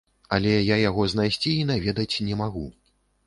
Але я яго знайсці і наведаць не магу.